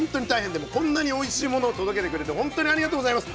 でもこんなにおいしいものを届けてくれて本当にありがとうございます。